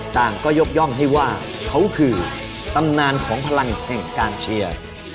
ต่างก็ยกย่องให้ว่าเขาคือตำนานของพลังแห่งการเชียร์